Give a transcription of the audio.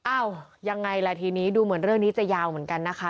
อ้าวยังไงล่ะทีนี้ดูเหมือนเรื่องนี้จะยาวเหมือนกันนะคะ